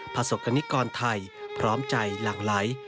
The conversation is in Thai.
ผสกนิกรไทยพร้อมใจหลังไหล